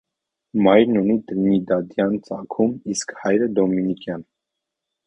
Մայրն ունի տրինիդադյան ծագում, իսկ հայրը՝ դոմինիկյան։